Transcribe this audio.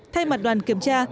thay mặt đoàn kiểm tra